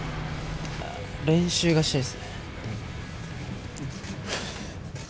練習がしたいですね。